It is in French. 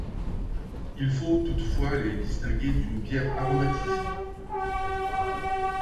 Il faut toutefois les distinguer d'une bière aromatisée.